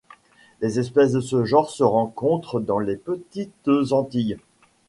Les espèces de ce genre se rencontrent dans les petites Antilles.